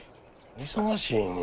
忙しいねん。